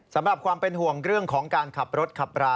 สำหรับความเป็นห่วงเรื่องของการขับรถขับรา